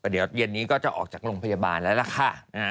เดี๋ยวเย็นนี้ก็จะออกจากโรงพยาบาลแล้วล่ะค่ะ